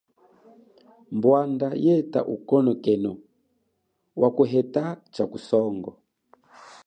Bwanda yeta ukonekeno wakuheta cha kusongo.